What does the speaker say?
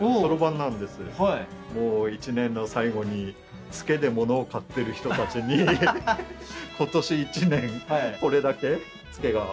もう一年の最後にツケで物を買ってる人たちに今年一年これだけツケがたまってます